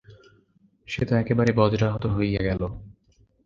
সে তো একেবারে বজ্রাহত হইয়া গেল।